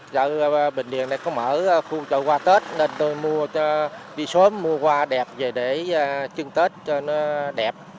chợ bình điền này có mở khu chợ hoa tết nên tôi mua cho đi sớm mua hoa đẹp về để chưng tết cho nó đẹp